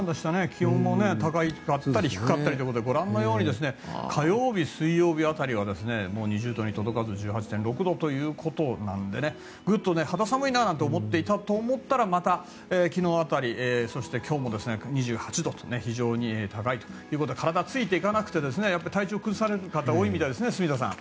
気温も高かったり低かったりということでご覧のように火曜日、水曜日辺りは２０度に届かず１８．６度ということなのでグッと肌寒いななんて思っていたと思ったら昨日辺り、そして今日も２８度と非常に高いということで体がついていかなくて体調を崩される方が多いみたいですね、住田さん。